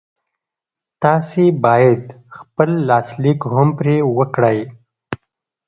تاسې بايد خپل لاسليک هم پرې وکړئ.